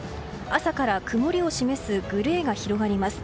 朝から曇りを示すグレーが広がります。